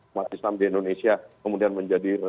umat islam di indonesia kemudian menjadi